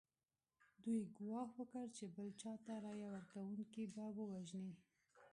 دوی ګواښ وکړ چې بل چا ته رایه ورکونکي به ووژني.